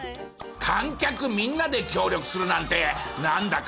観客みんなで協力するなんてなんだか